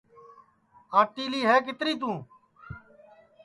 ٕآنٚٹِیلی ہے کِتری تُوں